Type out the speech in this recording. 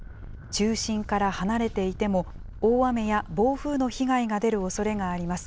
中心から離れていても、大雨や暴風の被害が出るおそれがあります。